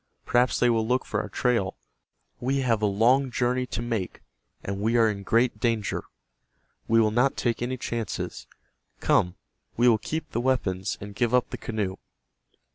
Perhaps they will look for our trail. We have a long journey to make, and we are in great danger. We will not take any chances. Come, we will keep the weapons, and give up the canoe."